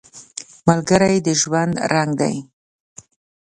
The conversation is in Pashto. ملګری د ژوند رنګ دی